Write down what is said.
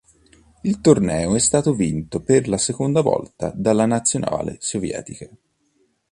Il torneo è stato vinto per la seconda volta dalla nazionale sovietica.